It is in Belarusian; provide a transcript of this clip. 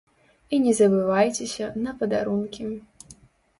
І не забывайцеся на падарункі!